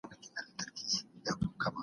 د موضوع مخینه په نظر کې نیول سوي ده.